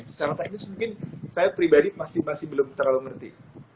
secara teknis mungkin saya pribadi masih belum terlalu ngerti